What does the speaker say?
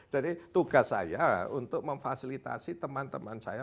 jadi tugas saya untuk memfasilitasi teman teman saya